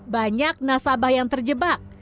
banyak nasabah yang terjebak